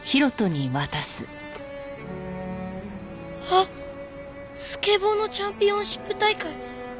あっスケボーのチャンピオンシップ大会。